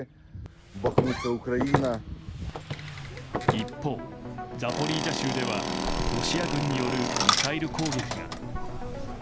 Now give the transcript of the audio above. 一方、ザポリージャ州ではロシア軍によるミサイル攻撃が。